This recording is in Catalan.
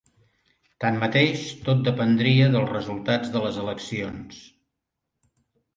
Tanmateix, tot dependria dels resultats de les eleccions.